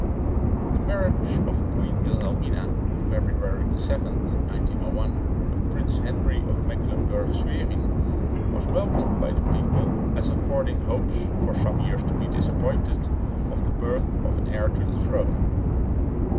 The marriage of Queen Wilhelmina, on February 7, 1901, with Prince Henry of Mecklenburg Schwerin was welcomed by the people, as affording hopes, for some years to be disappointed, of the birth of an heir to the throne.